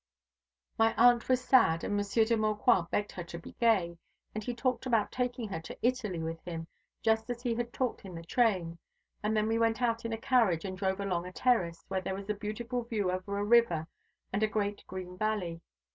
My aunt was sad, and Monsieur de Maucroix begged her to be gay, and he talked about taking her to Italy with him, just as he had talked in the train. And then we went out in a carriage and drove along a terrace, where there was a beautiful view over a river and a great green valley.